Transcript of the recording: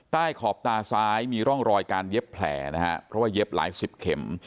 ขอบตาซ้ายมีร่องรอยการเย็บแผลนะฮะเพราะว่าเย็บหลายสิบเข็ม